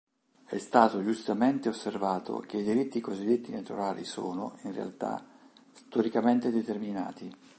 È stato giustamente osservato che i diritti cosiddetti naturali sono, in realtà, storicamente determinati.